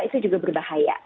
itu juga berbahaya